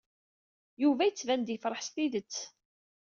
Yuba yettban-d yefṛeḥ s tidet.